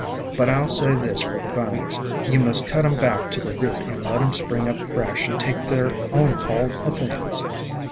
But I '11 say this for the vines — you must cut 'em back to the root and let 'em spring up fresh and take their own hold o' things.